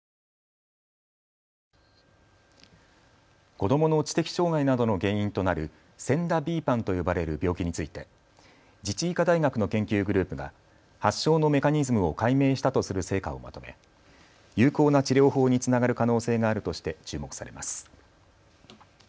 子どもの知的障害などの原因となるＳＥＮＤＡ／ＢＰＡＮと呼ばれる病気について自治医科大学の研究グループが発症のメカニズムを解明したとする成果をまとめ有効な治療法につながる可能性があるとして注目されます。